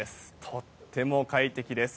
とっても快適です。